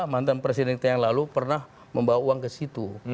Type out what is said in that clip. mantan presiden kita yang lalu pernah membawa uang ke situ